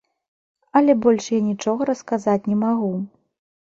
Але больш я нічога расказаць не магу.